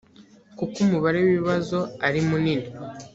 kuko umubare w ibibazo ari munini